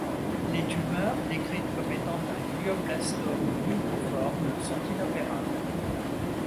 Les tumeurs, décrites comme étant un glioblastome multiforme, sont inopérables.